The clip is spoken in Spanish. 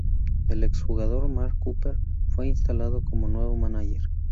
El ex jugador, Mark Cooper fue instalado como nuevo manager.